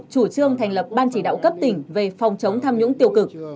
chủ trương thành lập ban chỉ đạo cấp tỉnh về phòng chống tham nhũng tiêu cực